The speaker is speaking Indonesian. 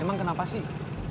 emang kenapa sih